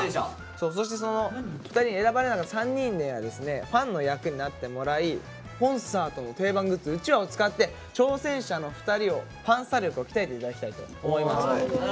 そしてその２人に選ばれなかった３人にはですねファンの役になってもらいコンサートの定番グッズうちわを使って挑戦者の２人をファンサ力を鍛えて頂きたいと思います。